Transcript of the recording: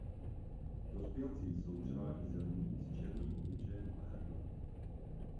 Dospělci jsou převážně zelení s černým obličejem a hrdlem.